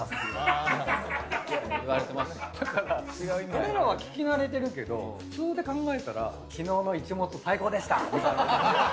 俺らは聞き慣れてるけど普通で考えたら昨日の「一物」最高でしたって。